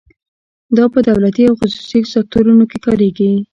دا په دولتي او خصوصي سکتورونو کې کاریږي.